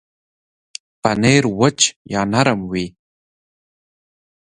پنېر وچ یا نرم وي.